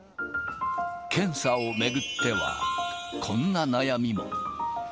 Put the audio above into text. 検査を巡っては、こんな悩みも。